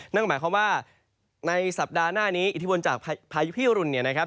นั่นก็หมายความว่าในสัปดาห์หน้านี้อิทธิพลจากพายุพิรุนเนี่ยนะครับ